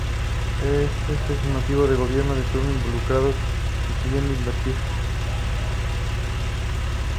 Como tal, es la fase de alta presión y densidad del cuarzo.